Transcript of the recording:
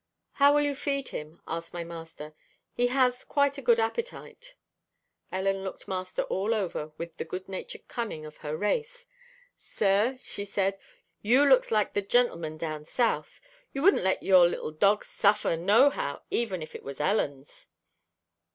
"How will you feed him?" asked my master. "He has quite a good appetite." Ellen looked master all over with the good natured cunning of her race. "Sir," she said, "you looks like the gen'l'men down South you wouldn't let your little dog suffer nohow, even if it was Ellen's."